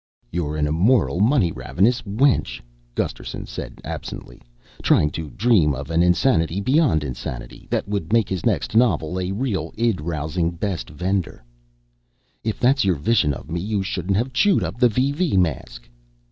"You're an immoral money ravenous wench," Gusterson said absently, trying to dream of an insanity beyond insanity that would make his next novel a real id rousing best vender. "If that's your vision of me, you shouldn't have chewed up the VV mask."